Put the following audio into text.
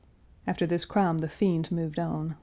After this crime the fiends moved on.